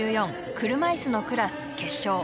車いすのクラス決勝。